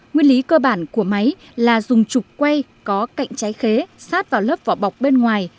nguyên lý cơ bản của máy là dùng trục quay có cạnh trái khế sát vào lớp vỏ bọc bên ngoài